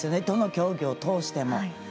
どの競技を通しても。